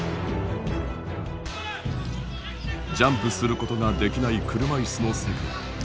ジャンプすることができない車いすの世界。